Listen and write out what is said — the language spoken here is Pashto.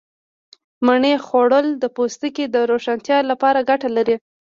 مڼې خوړل د پوستکي د روښانتیا لپاره گټه لري.